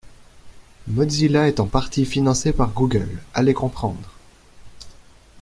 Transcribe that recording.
Mozilla est en parti financé par Google, allez comprendre!